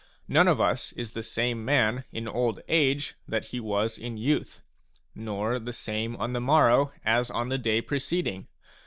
None of us is the same man in old age that he was in youth ; nor the same on the morrow as on the day preceding.